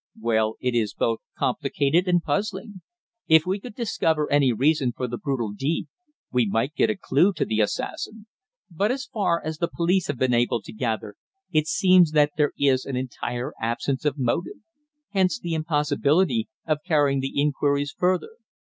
"Well, it is both complicated and puzzling. If we could discover any reason for the brutal deed we might get a clue to the assassin; but as far as the police have been able to gather, it seems that there is an entire absence of motive; hence the impossibility of carrying the inquiries further."